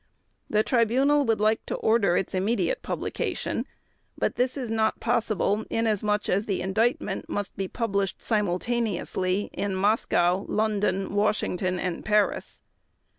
"The Tribunal would like to order its immediate publication but this is not possible inasmuch as the Indictment must be published simultaneously in Moscow, London, Washington, and Paris.